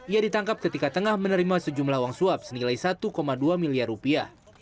ia ditangkap ketika tengah menerima sejumlah uang suap senilai satu dua miliar rupiah